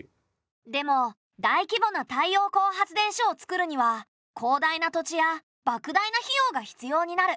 でも大規模な太陽光発電所をつくるには広大な土地やばく大な費用が必要になる。